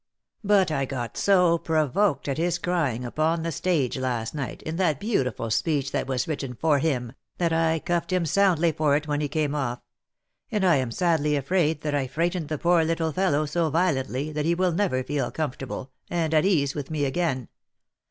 But I got so provoked at his crying upon the stage last night in that beautiful speech that was written for him, that I cuffed him soundly for it when he came off — and I am sadly afraid that I frightened the poor little fellow so violently that he will never feel comfortable, and at his ease with me again.